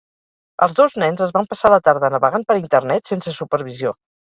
Els dos nens es van passar la tarda navegant per internet sense supervisió.